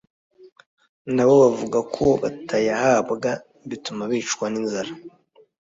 na bo bavuga ko batayahabwa bituma bicwa n’inzara